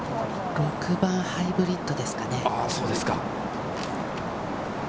６番ハイブリッドですかね。